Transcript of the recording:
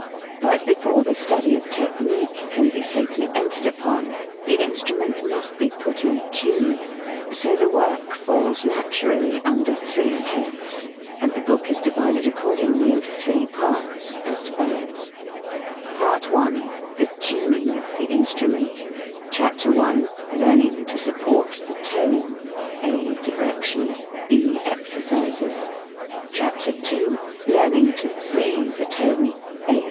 But before the study of technique can be safely entered upon, the instrument must be put in tune, so the work falls naturally under three heads, and the book is divided accordingly into three parts, as follows: PART I THE TUNING OF THE INSTRUMENT CHAPTER I. LEARNING TO SUPPORT THE TONE a. DIRECTIONS b. EXERCISES CHAPTER II. LEARNING TO FREE THE TONE a.